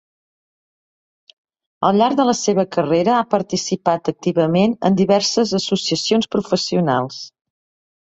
Al llarg de la seva carrera, ha participat activament en diverses associacions professionals.